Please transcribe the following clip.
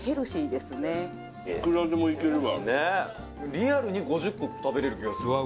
「リアルに５０個食べられる気がする」